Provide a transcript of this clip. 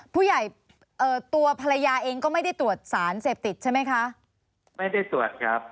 เอ่อตัวภรรยาเองก็ไม่ได้ตรวจสารเสพติดใช่ไหมคะไม่ได้ตรวจครับ